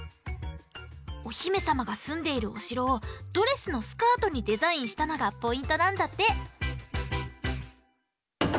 おひめさまがすんでいるおしろをドレスのスカートにデザインしたのがポイントなんだって。